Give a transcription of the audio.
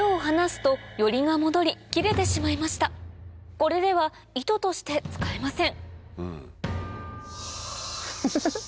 これでは糸として使えません